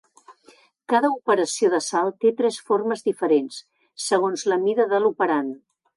Cada operació de salt té tres formes diferents, segons la mida de l'operand.